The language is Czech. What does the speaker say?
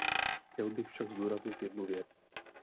Chtěl bych však zdůraznit jednu věc.